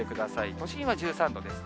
都心は１３度です。